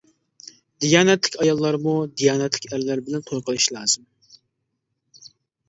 دىيانەتلىك ئاياللارمۇ دىيانەتلىك ئەرلەر بىلەن توي قىلىشى لازىم.